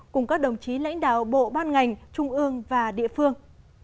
cùng các đồng chí lãnh đạo bộ ban ngành trung ương và địa phương